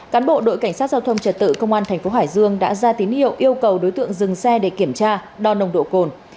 cán bộ đội cảnh sát giao thông trật tự công an thành phố hải dương đã ra tín hiệu yêu cầu đối tượng dừng xe để kiểm tra đo nồng độ cồn